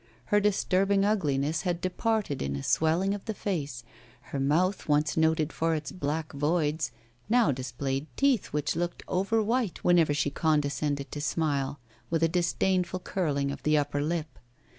Her disturbing ugliness had departed in a swelling of the face; her mouth, once noted for its black voids, now displayed teeth which looked over white whenever she condescended to smile, with a disdainful curling of the upper lip.